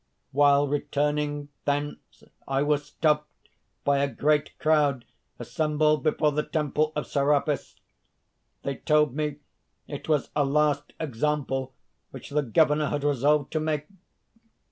"While returning thence, I was stopped by a great crowd assembled before the temple of Serapis. They told me it was a last example which the Governor had resolved to make.